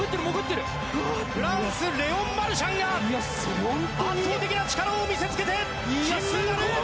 フランス、レオン・マルシャンが圧倒的な力を見せつけて金メダル！